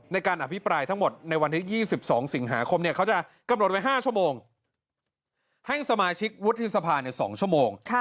ในการอภิปรายทั้งหมดในวันที่๒๒สิงหาคมเขาจะกำหนดไว้๕ชั่วโมงให้สมาชิกวุฒิสภา๒ชั่วโมง